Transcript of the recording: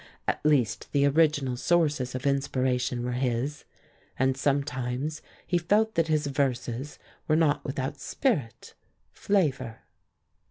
At least the original sources of inspiration were his, and sometimes he felt that his verses were not without spirit, flavor.